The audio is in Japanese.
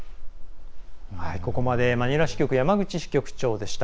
ここまでマニラ支局山口支局長でした。